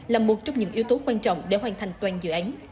là một trong những yếu tố quan trọng để hoàn thành toàn dự án